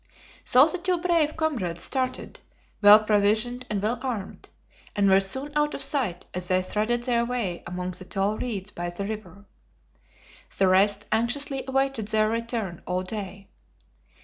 So the two brave comrades started, well provisioned and well armed, and were soon out of sight as they threaded their way among the tall reeds by the river. The rest anxiously awaited their return all day.